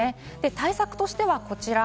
対策としてはこちら。